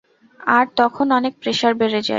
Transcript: আর তখন অনেক প্রেসার বেড়ে যায়।